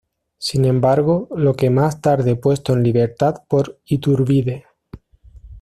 Sin embargo, lo que más tarde puesto en libertad por Iturbide.